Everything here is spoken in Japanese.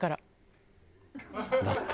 だって。